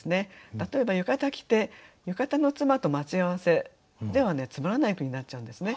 例えば「浴衣着て浴衣の妻と待ち合わせ」ではつまらない句になっちゃうんですね。